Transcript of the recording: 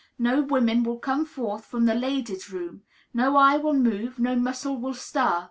no women will come forth from the "Ladies' Room," no eye will move, no muscle will stir.